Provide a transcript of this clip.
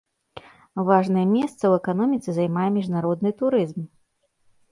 Важнае месца ў эканоміцы займае міжнародны турызм.